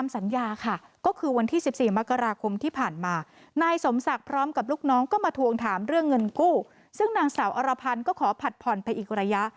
ซึ่งนางสาวอรพันธ์ก็ขอผัดผ่อนไปอีกระยะ